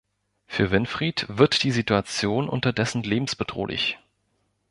Für Winfried wird die Situation unterdessen lebensbedrohlich.